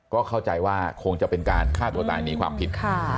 ก็เข้าใจว่าคงจะเป็นการฆ่าตัวตายหนีความผิด